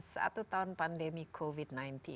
satu tahun pandemi covid sembilan belas